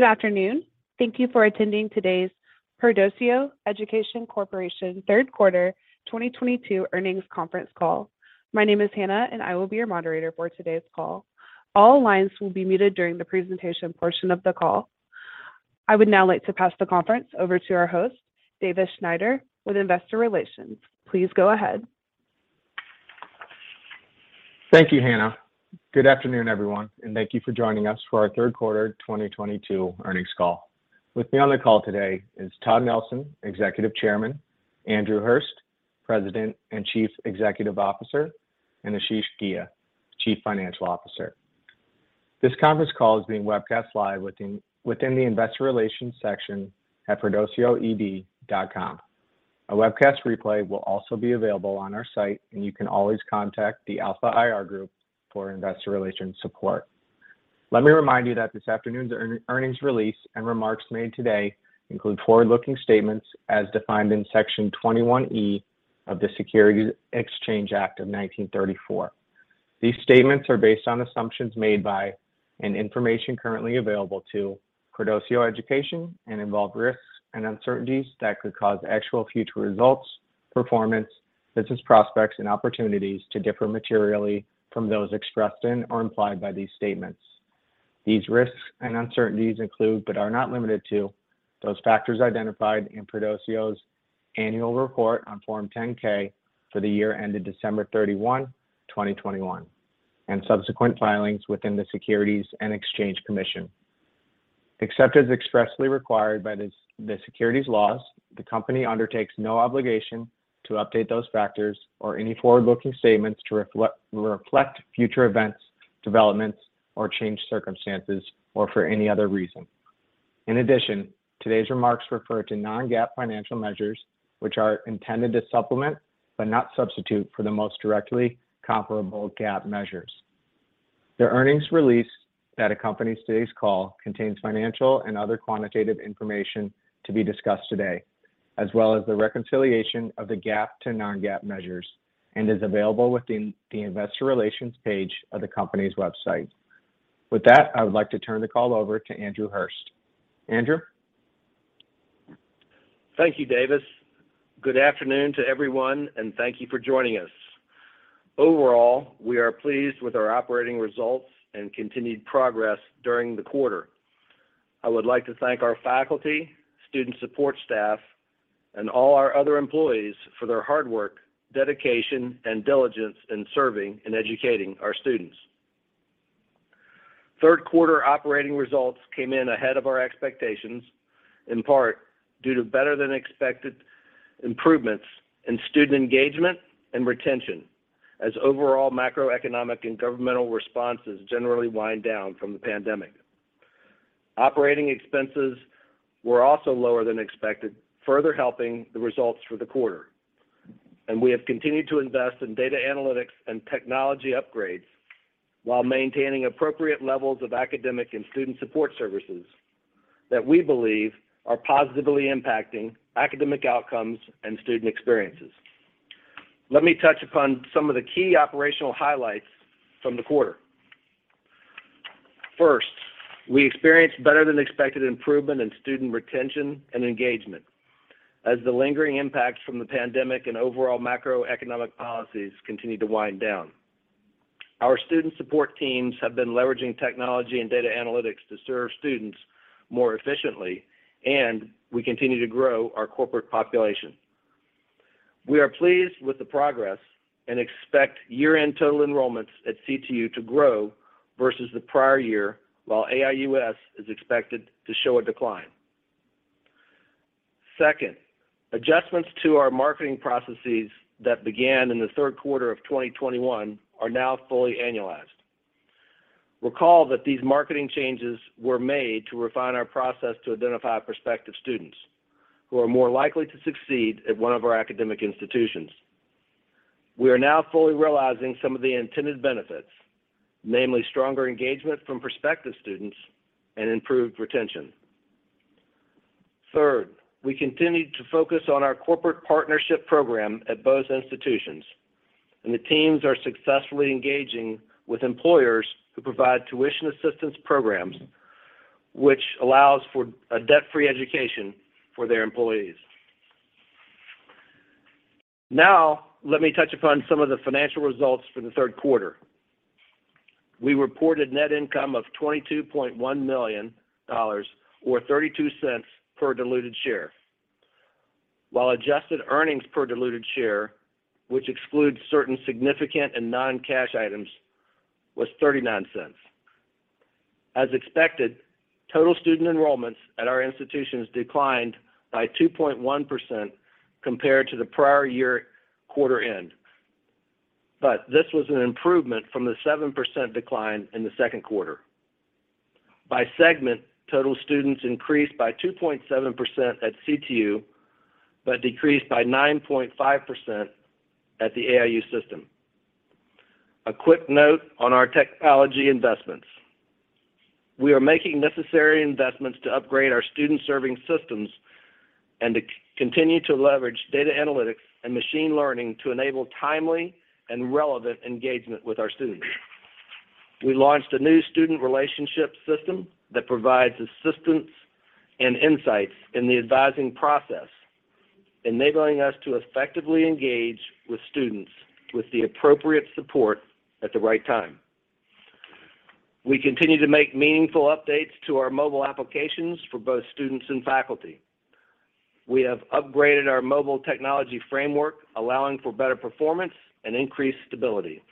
Good afternoon. Thank you for attending today's Perdoceo Education Corporation third quarter 2022 earnings conference call. My name is Hannah, and I will be your moderator for today's call. All lines will be muted during the presentation portion of the call. I would now like to pass the conference over to our host, Davis Snyder with Investor Relations. Please go ahead. Thank you, Hannah. Good afternoon, everyone, and thank you for joining us for our third quarter 2022 earnings call. With me on the call today is Todd Nelson, Executive Chairman, Andrew Hurst, President and Chief Executive Officer, and Ashish Ghia, Chief Financial Officer. This conference call is being webcast live within the Investor Relations section at perdoceoed.com. A webcast replay will also be available on our site, and you can always contact the Alpha IR Group for investor relations support. Let me remind you that this afternoon's earnings release and remarks made today include forward-looking statements as defined in Section 21E of the Securities Exchange Act of 1934. These statements are based on assumptions made by and information currently available to Perdoceo Education and involve risks and uncertainties that could cause actual future results, performance, business prospects, and opportunities to differ materially from those expressed in or implied by these statements. These risks and uncertainties include, but are not limited to, those factors identified in Perdoceo's annual report on Form 10-K for the year ended December 31, 2021, and subsequent filings with the Securities and Exchange Commission. Except as expressly required by the securities laws, the company undertakes no obligation to update those factors or any forward-looking statements to reflect future events, developments, or changed circumstances, or for any other reason. In addition, today's remarks refer to non-GAAP financial measures, which are intended to supplement, but not substitute, for the most directly comparable GAAP measures. The earnings release that accompanies today's call contains financial and other quantitative information to be discussed today, as well as the reconciliation of the GAAP to non-GAAP measures and is available within the investor relations page of the company's website. With that, I would like to turn the call over to Andrew Hurst. Andrew. Thank you, Davis. Good afternoon to everyone, and thank you for joining us. Overall, we are pleased with our operating results and continued progress during the quarter. I would like to thank our faculty, student support staff, and all our other employees for their hard work, dedication, and diligence in serving and educating our students. Third quarter operating results came in ahead of our expectations, in part due to better-than-expected improvements in student engagement and retention as overall macroeconomic and governmental responses generally wind down from the pandemic. Operating expenses were also lower than expected, further helping the results for the quarter. We have continued to invest in data analytics and technology upgrades while maintaining appropriate levels of academic and student support services that we believe are positively impacting academic outcomes and student experiences. Let me touch upon some of the key operational highlights from the quarter. First, we experienced better-than-expected improvement in student retention and engagement as the lingering impacts from the pandemic and overall macroeconomic policies continued to wind down. Our student support teams have been leveraging technology and data analytics to serve students more efficiently, and we continue to grow our corporate population. We are pleased with the progress and expect year-end total enrollments at CTU to grow versus the prior year, while AIUS is expected to show a decline. Second, adjustments to our marketing processes that began in the third quarter of 2021 are now fully annualized. Recall that these marketing changes were made to refine our process to identify prospective students who are more likely to succeed at one of our academic institutions. We are now fully realizing some of the intended benefits, namely stronger engagement from prospective students and improved retention. Third, we continued to focus on our corporate partnership program at both institutions, and the teams are successfully engaging with employers who provide tuition assistance programs, which allows for a debt-free education for their employees. Now, let me touch upon some of the financial results for the third quarter. We reported net income of $22.1 million or $0.32 per diluted share. While adjusted earnings per diluted share, which excludes certain significant and non-cash items, was $0.39. As expected, total student enrollments at our institutions declined by 2.1% compared to the prior-year quarter end. This was an improvement from the 7% decline in the second quarter. By segment, total students increased by 2.7% at CTU but decreased by 9.5% at the AIUS System. A quick note on our technology investments. We are making necessary investments to upgrade our student serving systems and to continue to leverage data analytics and machine learning to enable timely and relevant engagement with our students. We launched a new student relationship system that provides assistance and insights in the advising process, enabling us to effectively engage with students with the appropriate support at the right time. We continue to make meaningful updates to our mobile applications for both students and faculty. We have upgraded our mobile technology framework, allowing for better performance and increased stability.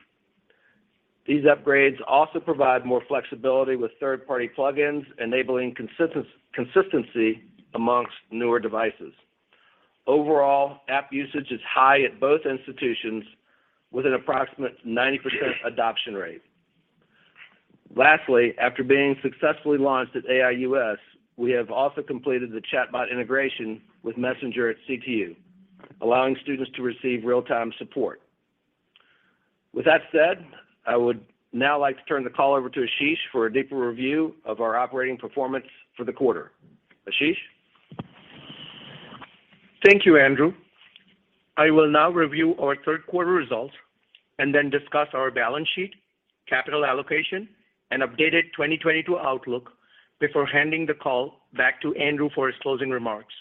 These upgrades also provide more flexibility with third-party plugins, enabling consistency among newer devices. Overall, app usage is high at both institutions with an approximate 90% adoption rate. Lastly, after being successfully launched at AIUS, we have also completed the chatbot integration with Messenger at CTU, allowing students to receive real-time support. With that said, I would now like to turn the call over to Ashish for a deeper review of our operating performance for the quarter. Ashish? Thank you, Andrew. I will now review our third quarter results and then discuss our balance sheet, capital allocation, and updated 2022 outlook before handing the call back to Andrew for his closing remarks.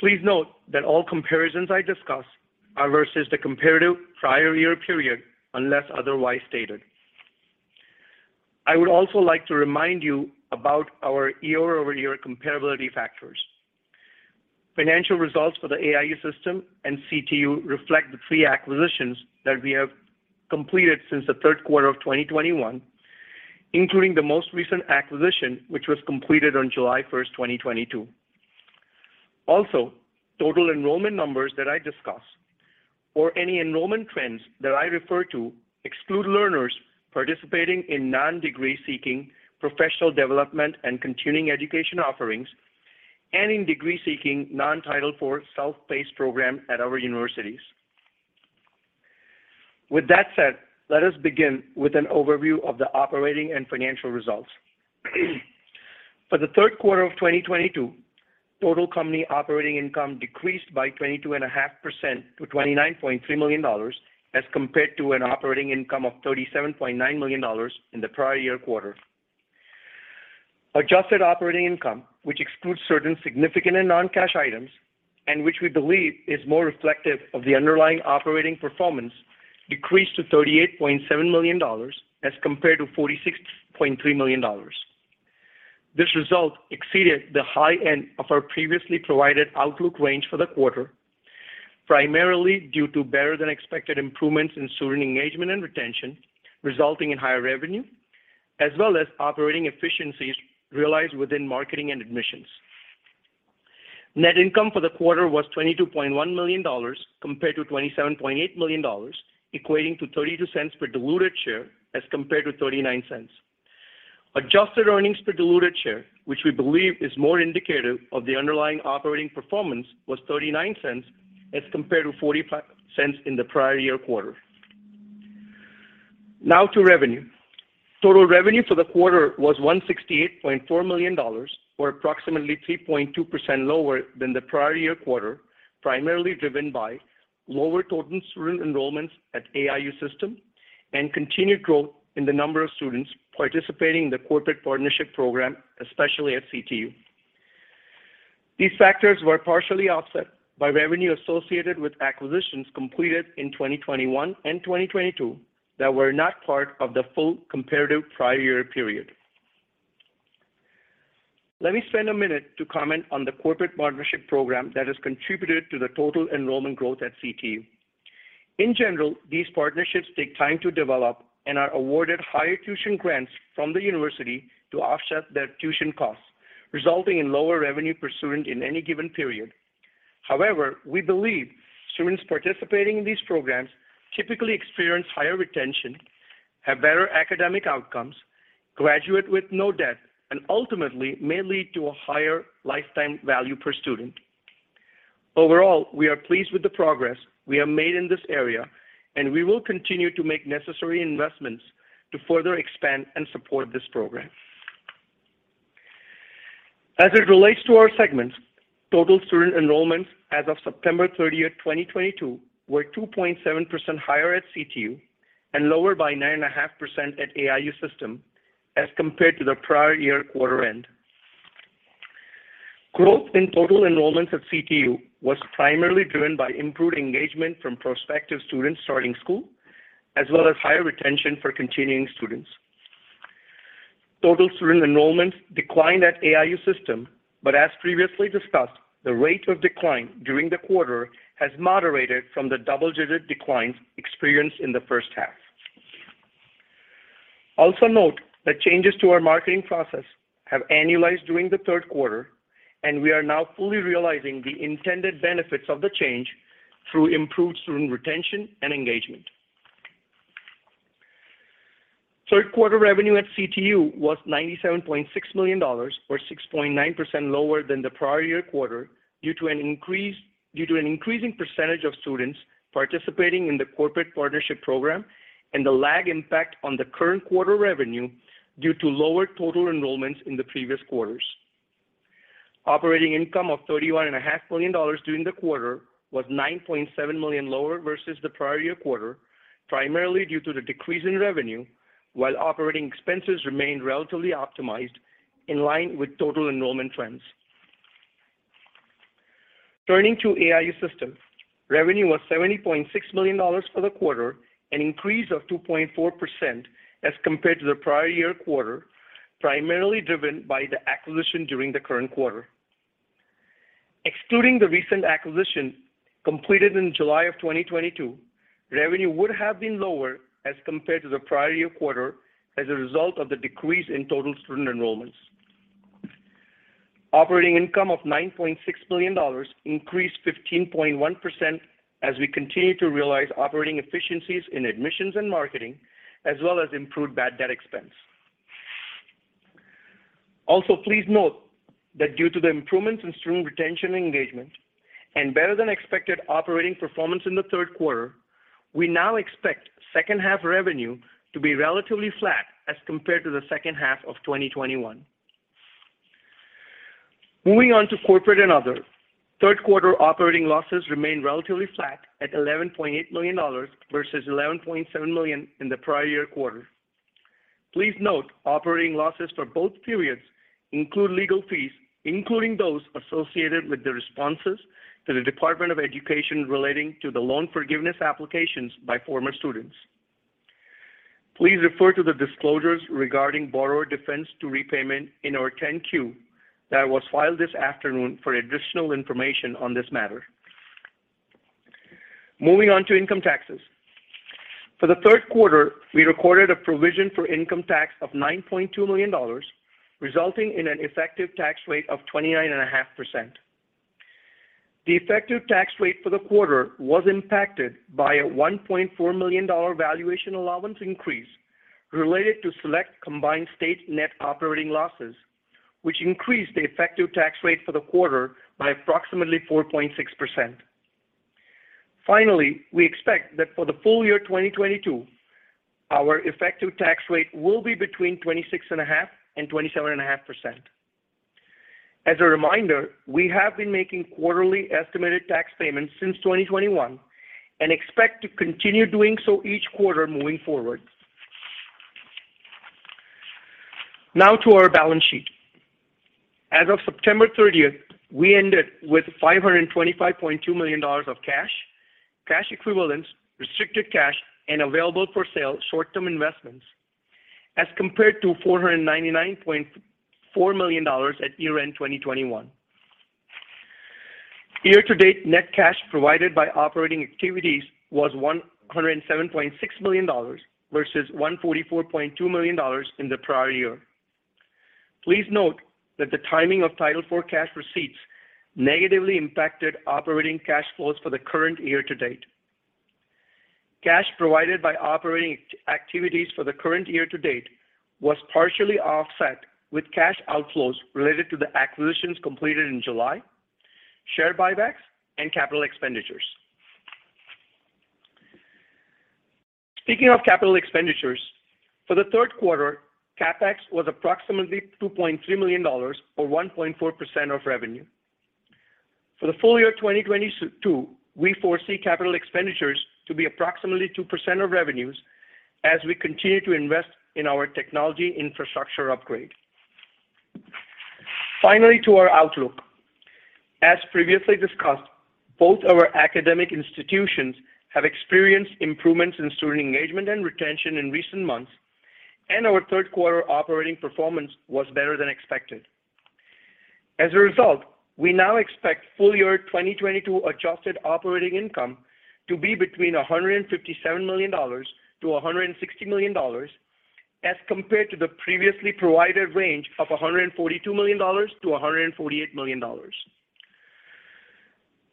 Please note that all comparisons I discuss are versus the comparative prior year period, unless otherwise stated. I would also like to remind you about our year-over-year comparability factors. Financial results for the AIUS System and CTU reflect the three acquisitions that we have completed since the third quarter of 2021, including the most recent acquisition, which was completed on July 1st, 2022. Also, total enrollment numbers that I discuss or any enrollment trends that I refer to exclude learners participating in non-degree seeking professional development and continuing education offerings and in degree-seeking non-Title IV self-paced program at our universities. With that said, let us begin with an overview of the operating and financial results. For the third quarter of 2022, total company operating income decreased by 22.5% to $29.3 million as compared to an operating income of $37.9 million in the prior year quarter. Adjusted operating income, which excludes certain significant and non-cash items and which we believe is more reflective of the underlying operating performance, decreased to $38.7 million as compared to $46.3 million. This result exceeded the high end of our previously provided outlook range for the quarter, primarily due to better than expected improvements in student engagement and retention, resulting in higher revenue, as well as operating efficiencies realized within marketing and admissions. Net income for the quarter was $22.1 million compared to $27.8 million, equating to $0.32 per diluted share as compared to $0.39. Adjusted earnings per diluted share, which we believe is more indicative of the underlying operating performance, was $0.39 as compared to forty-five cents in the prior year quarter. Now to revenue. Total revenue for the quarter was $168.4 million or approximately 3.2% lower than the prior year quarter, primarily driven by lower total student enrollments at AIUS System and continued growth in the number of students participating in the corporate partnership program, especially at CTU. These factors were partially offset by revenue associated with acquisitions completed in 2021 and 2022 that were not part of the full comparative prior year period. Let me spend a minute to comment on the corporate partnership program that has contributed to the total enrollment growth at CTU. In general, these partnerships take time to develop and are awarded higher tuition grants from the university to offset their tuition costs, resulting in lower revenue per student in any given period. However, we believe students participating in these programs typically experience higher retention, have better academic outcomes, graduate with no debt, and ultimately may lead to a higher lifetime value per student. Overall, we are pleased with the progress we have made in this area, and we will continue to make necessary investments to further expand and support this program. As it relates to our segments, total student enrollments as of September 30th, 2022 were 2.7% higher at CTU and lower by 9.5% at AIUS System as compared to the prior year quarter end. Growth in total enrollments at CTU was primarily driven by improved engagement from prospective students starting school, as well as higher retention for continuing students. Total student enrollments declined at AIUS System, but as previously discussed, the rate of decline during the quarter has moderated from the double-digit declines experienced in the first half. Also note that changes to our marketing process have annualized during the third quarter, and we are now fully realizing the intended benefits of the change through improved student retention and engagement. Third quarter revenue at CTU was $97.6 million or 6.9% lower than the prior year quarter due to an increasing percentage of students participating in the corporate partnership program and the lag impact on the current quarter revenue due to lower total enrollments in the previous quarters. Operating income of $31.5 million during the quarter was $9.7 million lower versus the prior year quarter, primarily due to the decrease in revenue while operating expenses remained relatively optimized in line with total enrollment trends. Turning to AIUS System. Revenue was $70.6 million for the quarter, an increase of 2.4% as compared to the prior year quarter, primarily driven by the acquisition during the current quarter. Excluding the recent acquisition completed in July of 2022, revenue would have been lower as compared to the prior year quarter as a result of the decrease in total student enrollments. Operating income of $9.6 million increased 15.1% as we continue to realize operating efficiencies in admissions and marketing, as well as improved bad debt expense. Also, please note that due to the improvements in student retention engagement and better than expected operating performance in the third quarter, we now expect second half revenue to be relatively flat as compared to the second half of 2021. Moving on to corporate and other. Third quarter operating losses remain relatively flat at $11.8 million versus $11.7 million in the prior year quarter. Please note, operating losses for both periods include legal fees, including those associated with the responses to the U.S. Department of Education relating to the loan forgiveness applications by former students. Please refer to the disclosures regarding borrower defense to repayment in our Form 10-Q that was filed this afternoon for additional information on this matter. Moving on to income taxes. For the third quarter, we recorded a provision for income tax of $9.2 million, resulting in an effective tax rate of 29.5%. The effective tax rate for the quarter was impacted by a $1.4 million valuation allowance increase related to select combined state net operating losses, which increased the effective tax rate for the quarter by approximately 4.6%. Finally, we expect that for the full year 2022, our effective tax rate will be between 26.5% and 27.5%. As a reminder, we have been making quarterly estimated tax payments since 2021 and expect to continue doing so each quarter moving forward. Now to our balance sheet. As of September 30th, we ended with $525.2 million of cash equivalents, restricted cash, and available for sale short-term investments as compared to $499.4 million at year-end 2021. Year-to-date net cash provided by operating activities was $107.6 million versus $144.2 million in the prior year. Please note that the timing of Title IV cash receipts negatively impacted operating cash flows for the current year to date. Cash provided by operating activities for the current year to date was partially offset with cash outflows related to the acquisitions completed in July, share buybacks, and capital expenditures. Speaking of capital expenditures, for the third quarter, CapEx was approximately $2.3 million or 1.4% of revenue. For the full year 2022, we foresee capital expenditures to be approximately 2% of revenues as we continue to invest in our technology infrastructure upgrade. Finally, to our outlook. As previously discussed, both our academic institutions have experienced improvements in student engagement and retention in recent months, and our third quarter operating performance was better than expected. As a result, we now expect full year 2022 adjusted operating income to be between $157 million-$160 million as compared to the previously provided range of $142 million-$148 million.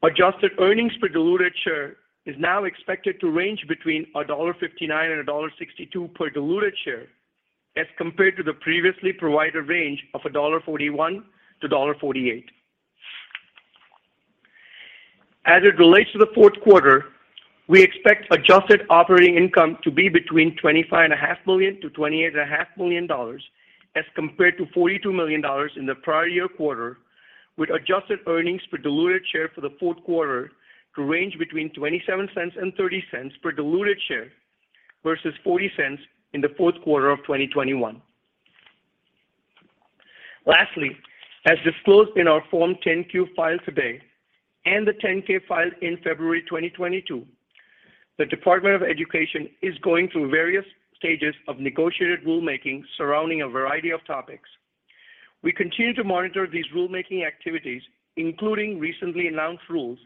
Adjusted earnings per diluted share is now expected to range between $1.59-$1.62 per diluted share as compared to the previously provided range of $1.41-$1.48. As it relates to the fourth quarter, we expect adjusted operating income to be between $25.5 million-$28.5 million as compared to $42 million in the prior year quarter, with adjusted earnings per diluted share for the fourth quarter to range between $0.27 and $0.30 per diluted share versus $0.40 in the fourth quarter of 2021. Lastly, as disclosed in our Form 10-Q filed today and the 10-Q filed in February 2022, the U.S. Department of Education is going through various stages of negotiated rulemaking surrounding a variety of topics. We continue to monitor these rulemaking activities, including recently announced rules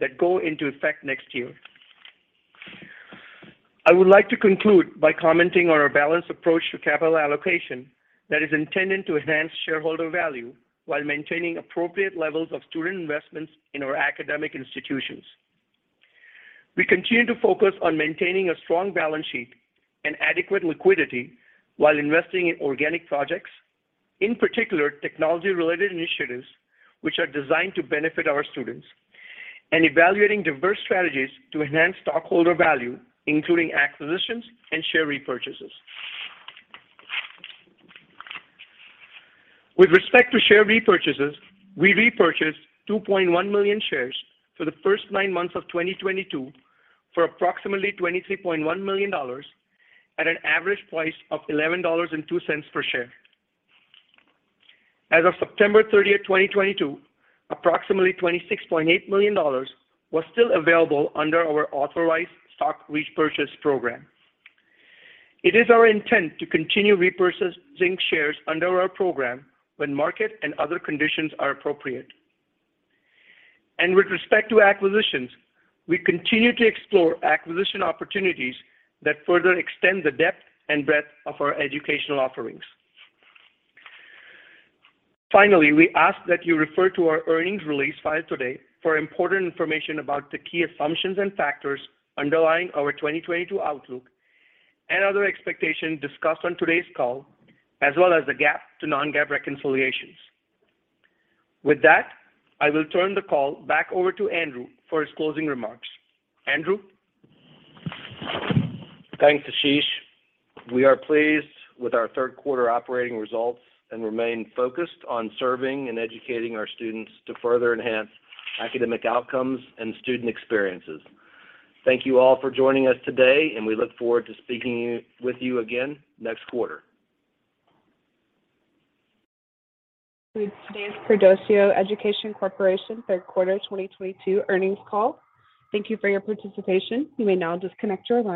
that go into effect next year. I would like to conclude by commenting on our balanced approach to capital allocation that is intended to enhance shareholder value while maintaining appropriate levels of student investments in our academic institutions. We continue to focus on maintaining a strong balance sheet and adequate liquidity while investing in organic projects, in particular, technology-related initiatives which are designed to benefit our students, and evaluating diverse strategies to enhance stockholder value, including acquisitions and share repurchases. With respect to share repurchases, we repurchased 2.1 million shares for the first nine months of 2022 for approximately $23.1 million at an average price of $11.02 per share. As of September 30th, 2022, approximately $26.8 million was still available under our authorized stock repurchase program. It is our intent to continue repurchasing shares under our program when market and other conditions are appropriate. With respect to acquisitions, we continue to explore acquisition opportunities that further extend the depth and breadth of our educational offerings. Finally, we ask that you refer to our earnings release filed today for important information about the key assumptions and factors underlying our 2022 outlook and other expectations discussed on today's call, as well as the GAAP to non-GAAP reconciliations. With that, I will turn the call back over to Andrew for his closing remarks. Andrew? Thanks, Ashish. We are pleased with our third quarter operating results and remain focused on serving and educating our students to further enhance academic outcomes and student experiences. Thank you all for joining us today, and we look forward to speaking with you again next quarter. This is today's Perdoceo Education Corporation third quarter 2022 earnings call. Thank you for your participation. You may now disconnect your line